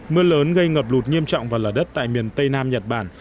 mưa lớn gây ngập lụt nghiêm trọng vào lò đất tại miền tây nam nhật bản